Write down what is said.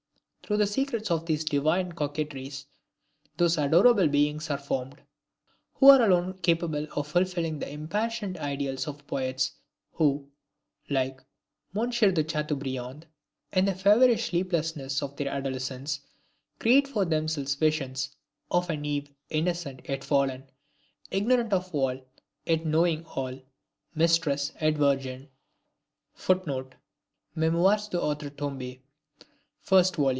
] Through the secrets of these "divine coquetries" those adorable beings are formed, who are alone capable of fulfilling the impassioned ideals of poets who, like M. de Chateaubriand, in the feverish sleeplessness of their adolescence, create for themselves visions "of an Eve, innocent, yet fallen; ignorant of all, yet knowing all; mistress, yet virgin." [Footnote: Memoires d'Outre Tombe. 1st vol.